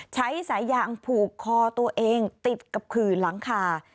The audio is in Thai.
ใช้สายยางผูกคอตัวเองติดกับขื่อหลังคา